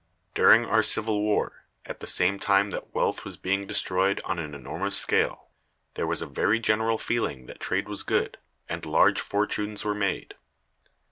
During our civil war, at the same time that wealth was being destroyed on an enormous scale, there was a very general feeling that trade was good, and large fortunes were made.